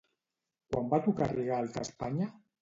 Quan va tocar Rigalt a Espanya?